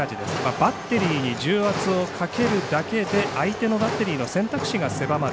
バッテリーに重圧をかけるだけで相手のバッテリーの選択肢が狭まる。